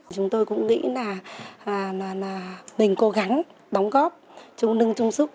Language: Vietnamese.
chúng tôi cũng nghĩ là mình cố gắng đóng góp chung nâng chung sức